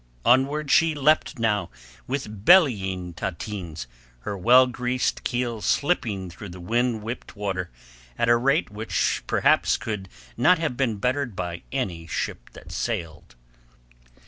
Onward she leapt now with bellying tateens, her well greased keel slipping through the wind whipped water at a rate which perhaps could not have been bettered by any ship that sailed.